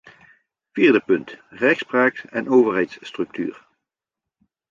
Vierde punt: rechtspraak en overheidsstructuur.